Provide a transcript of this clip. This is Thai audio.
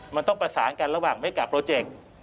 มันต้องประสานกันระหว่างไม่กลับโรเจกต์